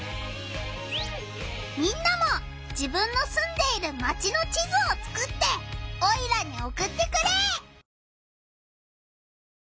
みんなも自分のすんでいるマチの地図をつくってオイラにおくってくれ！